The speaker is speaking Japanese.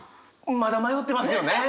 まだ迷ってますよね。